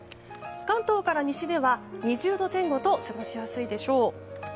関東から西では２０度前後と過ごしやすいでしょう。